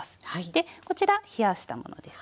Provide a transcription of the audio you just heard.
でこちら冷やしたものですね。